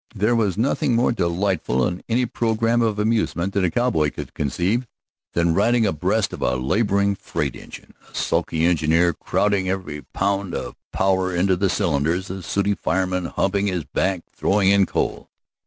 There was nothing more delightful in any program of amusement that a cowboy could conceive than riding abreast of a laboring freight engine, the sulky engineer crowding every pound of power into the cylinders, the sooty fireman humping his back throwing in coal.